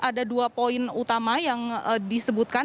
ada dua poin utama yang disebutkan